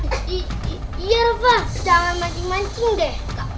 iya rebah jangan mancing mancing deh